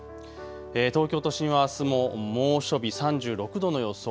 東京都心はあすも猛暑日、３６度の予想。